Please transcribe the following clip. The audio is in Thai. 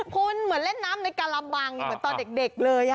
คุณเหมือนเล่นน้ำในการ่าบางอยู่กันตอนเด็กเลย